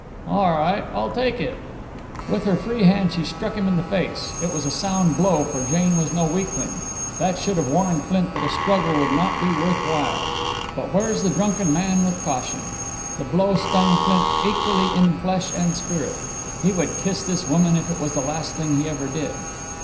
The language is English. "All right, I'll take it!" With her free hand she struck him in the face. It was a sound blow, for Jane was no weakling. That should have warned Flint that a struggle would not be worth while. But where's the drunken man with caution? The blow stung Flint equally in flesh and spirit. He would kiss this woman if it was the last thing he ever did!